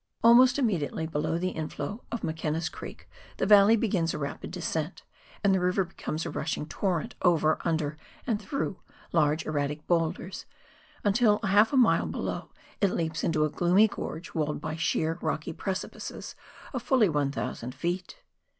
Almost immediately below the inflow of McKenna's Creek the valley begins a rapid descent, and the river becomes a rushing torrent over, under, and through large erratic boulders, until half a mile below it leaps into a gloomy gorge walled by sheer rocky precipices of fully 1,000 ft.